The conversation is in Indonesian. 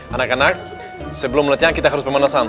anak anak sebelum latihan kita harus pemanasan